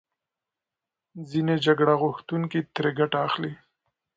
ځینې جګړه غوښتونکي ترې ګټه اخلي.